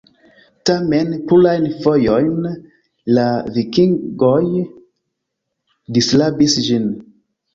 Tamen plurajn fojojn la vikingoj disrabis ĝin.